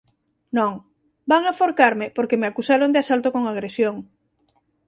Non, van aforcarme porque me acusaron de asalto con agresión.